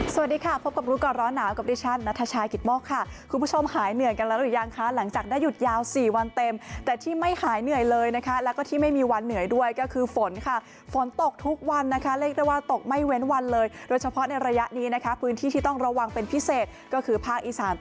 สวัสดีค่ะพบกับรู้ก่อนร้อนหนาวกับดิฉันนัทชายกิตโมกค่ะคุณผู้ชมหายเหนื่อยกันแล้วหรือยังคะหลังจากได้หยุดยาวสี่วันเต็มแต่ที่ไม่หายเหนื่อยเลยนะคะแล้วก็ที่ไม่มีวันเหนื่อยด้วยก็คือฝนค่ะฝนตกทุกวันนะคะเรียกได้ว่าตกไม่เว้นวันเลยโดยเฉพาะในระยะนี้นะคะพื้นที่ที่ต้องระวังเป็นพิเศษก็คือภาคอีสาน